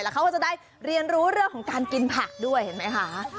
เขาก็จะได้เรียนรู้เรื่องของการกินผักด้วยเห็นไหมคะ